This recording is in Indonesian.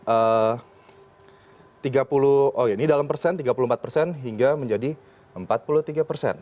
eh ini dalam persen tiga puluh empat persen hingga menjadi empat puluh tiga persen